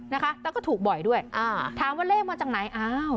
นะคะแล้วก็ถูกบ่อยด้วยอ่าถามว่าเลขมาจากไหนอ้าว